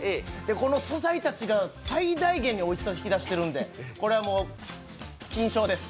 この素材たちが最大限においしさを引き出してるんでこれはもう金賞です。